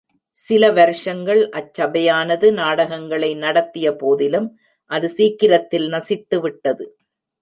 சில வருஷங்கள் அச் சபையானது நாடகங்களை நடத்திய போதிலும் அது சீக்கிரத்தில் நசித்து விட்டது.